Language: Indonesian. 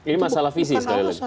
ini masalah visi sekali